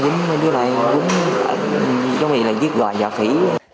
em cũng giống như đứa này giống như là giết loài nhà khỉ